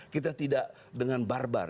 kita tidak dengan barbar